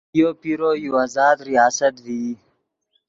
یو پیرو یو آزاد ریاست ڤئی